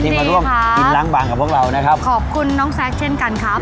มาร่วมกินล้างบางกับพวกเรานะครับขอบคุณน้องแซคเช่นกันครับ